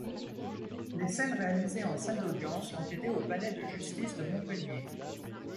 Les scènes réalisées en salles d'audience l'ont été au Palais de justice de Montpellier.